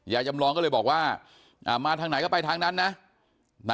จำลองก็เลยบอกว่ามาทางไหนก็ไปทางนั้นนะ